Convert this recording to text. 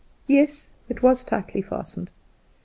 Yes, it was tightly fastened.